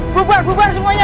bubar bubar semuanya